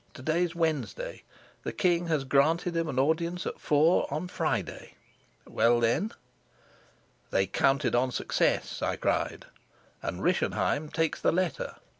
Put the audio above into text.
To day's Wednesday. The king has granted him an audience at four on Friday. Well, then " "They counted on success," I cried, "and Rischenheim takes the letter!"